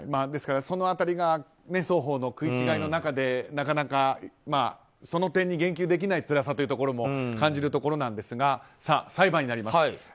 ですからその辺りが双方の食い違いの中でなかなかその点に言及できないつらさも感じるところなんですが裁判になります。